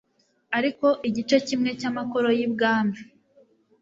ariko igice kimwe cy'amakoro y'i Bwami